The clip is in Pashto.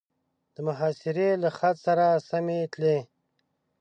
د محاصرې له خط سره سمې تلې.